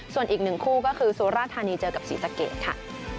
ส่วนอีกหนึ่งคู่ก็คือสุราธานีเจอกับศรีสะเกดค่ะ